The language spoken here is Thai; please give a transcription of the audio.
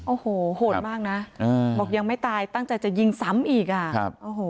โอ้โหโหดมากนะบอกยังไม่ตายตั้งใจจะยิงซ้ำอีกอ่ะครับโอ้โห